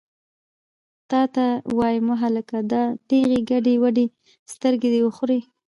تا ته وایم، وهلکه! دا ټېغې ګډې وډې سترګې دې وخورې!